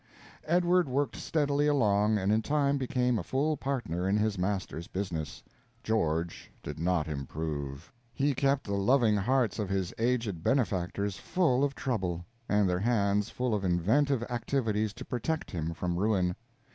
Edward worked steadily along, and in time became a full partner in his master's business. George did not improve; he kept the loving hearts of his aged benefactors full of trouble, and their hands full of inventive activities to protect him from ruin.